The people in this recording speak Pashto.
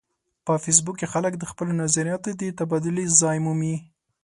په فېسبوک کې خلک د خپلو نظریاتو د تبادلې ځای مومي